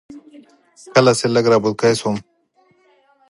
کله چې لږ را بوتکی شوم.